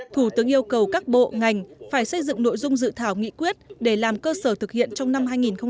thủ tướng yêu cầu các bộ ngành phải xây dựng nội dung dự thảo nghị quyết để làm cơ sở thực hiện trong năm hai nghìn hai mươi